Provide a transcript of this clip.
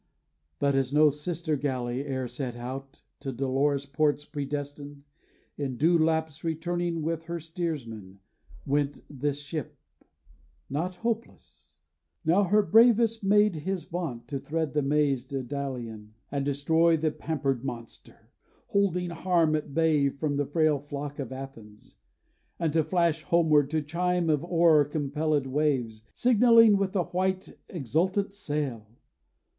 But as no sister galley e'er set out To dolorous ports predestined, in due lapse Returning with her steersman, went this ship, Not hopeless; now her bravest made his vaunt To thread the maze Dædalian, and destroy The pampered monster, holding harm at bay From the frail flock of Athens; and to flash Homeward, to chime of oar compellèd waves, Signalling with the white exultant sail!